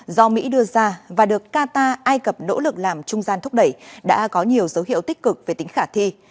do mỹ đưa ra và được qatar ai cập nỗ lực làm trung gian thúc đẩy đã có nhiều dấu hiệu tích cực về tính khả thi